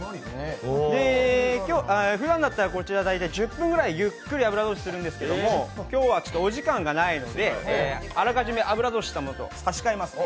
ふだんだったら大体１０分ぐらいゆっくり油通しするんですけど、今日はお時間がないので、あらかじめ油通ししたものと差し替えますね。